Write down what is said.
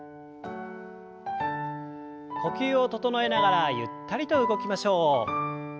呼吸を整えながらゆったりと動きましょう。